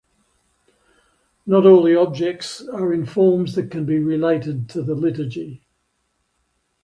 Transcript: Not all the objects are in forms that can be related to the liturgy.